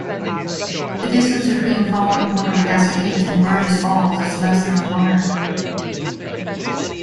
The distance between Falling Water Cascades and Burgess Falls is less than a mile.